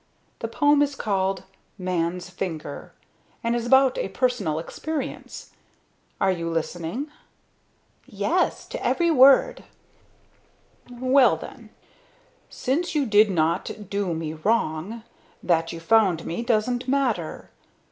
The poem is called Man's Finger, and is about a personal experience. Are you listening?" "Yes, to every word." "Well, then: "'Since you did not do me wrong, That you found me, doesn't matter.